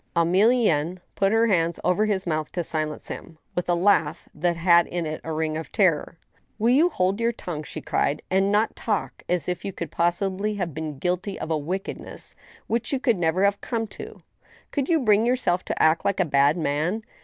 Emilienne put her hands over his mouth to silence him, with a laugh that had in it a ring of terror. " Will you hold your tongue," she cried, " and not talk as if you could possibly have been guilty of a wickedness which you never could have come to ? Could you bring yourself to act like a bad man